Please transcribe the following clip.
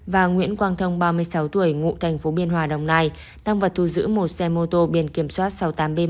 và nguyễn quang thông ba mươi sáu tuổi ngụ tp biên hòa đồng nai tăng vật thu giữ một xe mô tô biển kiểm soát sáu mươi tám b một sáu mươi năm nghìn chín trăm chín mươi ba